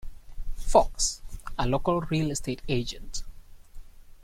Fox, a local real estate agent.